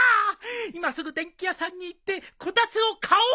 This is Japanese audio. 今すぐ電器屋さんに行ってこたつを買おう。